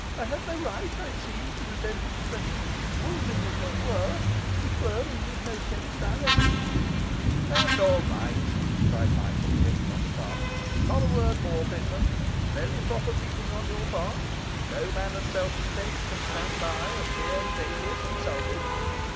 I had no right, I see, to resent expressions, wounding as they were, which were in no sense directed.' 'That's all right,' cried Michael, getting on the cart. 'Not a word more, Pitman. Very proper feeling on your part; no man of self respect can stand by and hear his alias insulted.